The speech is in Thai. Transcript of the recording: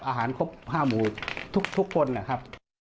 อาหารครบ๕หมูทุกคนนะครับ